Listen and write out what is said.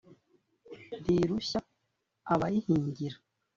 Ntirushya abayihingira,